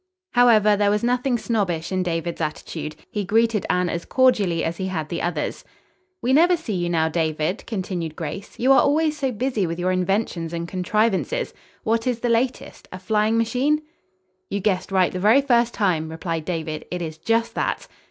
However, there was nothing snobbish in David's attitude. He greeted Anne as cordially as he had the others. "We never see you now, David," continued Grace. "You are always so busy with your inventions and contrivances. What is the latest? A flying machine?" "You guessed right the very first time," replied David. "It is just that."